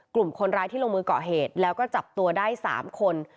กลุ่มคนร้ายที่ลงมือก่อเหตุแล้วก็จับตัวได้๓คน